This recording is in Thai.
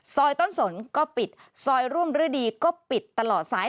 ซอยต้นสนก็ปิดซอยร่วมฤดีก็ปิดตลอดซ้าย